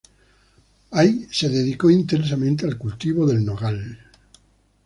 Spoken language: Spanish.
Ahí se dedicó intensamente al cultivo del nogal.